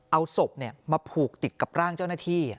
เอาศพมาผูกติดกับร่างเจ้าหน้าที่